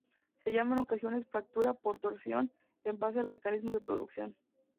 Se llama en ocasiones fractura por torsión en base al mecanismo de producción.